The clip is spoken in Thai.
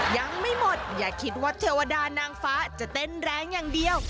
ยังไม่หมดอย่าคิดว่าเทวดานางฟ้าจะเต้นแรงอย่างเดียว